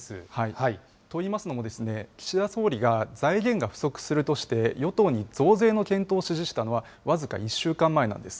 といいますのも、岸田総理が財源が不足するとして、与党に増税の検討を指示したのは、僅か１週間前なんです。